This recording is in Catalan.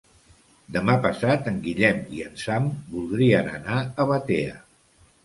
Demà passat en Guillem i en Sam voldrien anar a Batea.